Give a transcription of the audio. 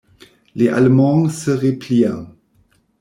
Les Allemands se replient.